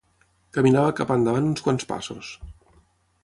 Caminava cap endavant uns quants passos.